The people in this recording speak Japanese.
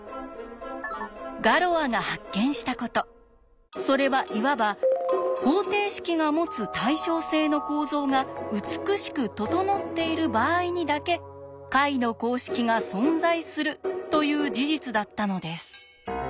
ガロアが発見したことそれはいわば「方程式が持つ対称性の構造が美しく整っている場合にだけ解の公式が存在する」という事実だったのです。